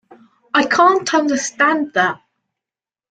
I can't understand that